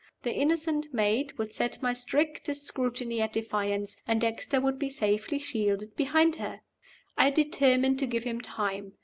The innocent maid would set my strictest scrutiny at defiance; and Dexter would be safely shielded behind her. I determined to give him time.